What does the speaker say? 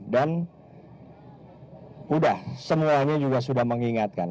dan sudah semuanya juga sudah mengingatkan